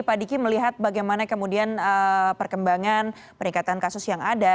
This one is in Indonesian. pak diki melihat bagaimana kemudian perkembangan peningkatan kasus yang ada